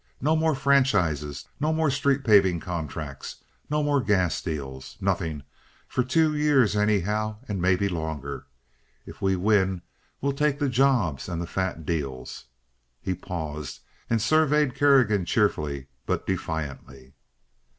No more franchises, no more street paving contracts, no more gas deals. Nothing—for two years, anyhow, and maybe longer. If we win we'll take the jobs and the fat deals." He paused and surveyed Kerrigan cheerfully but defiantly.